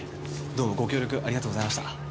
どうもご協力ありがとうございました。